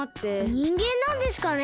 にんげんなんですかね？